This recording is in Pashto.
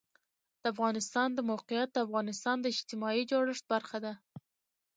د افغانستان د موقعیت د افغانستان د اجتماعي جوړښت برخه ده.